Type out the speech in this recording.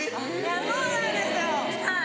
そうなんですよはい。